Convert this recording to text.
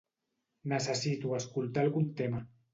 Necessito escoltar algun tema.